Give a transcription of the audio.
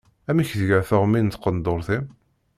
Amek tga teɣmi n tqendurt-im?